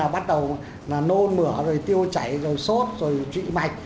bắt đầu là nôn mửa rồi tiêu chảy rồi sốt rồi trị mạch